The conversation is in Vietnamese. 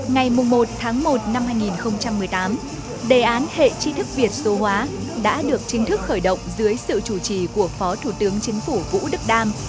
ngày một tháng một năm hai nghìn một mươi tám đề án hệ chi thức việt số hóa đã được chính thức khởi động dưới sự chủ trì của phó thủ tướng chính phủ vũ đức đam